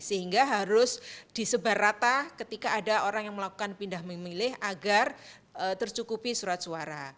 sehingga harus disebar rata ketika ada orang yang melakukan pindah memilih agar tercukupi surat suara